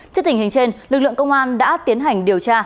trước tình hình trên lực lượng công an đã tiến hành điều tra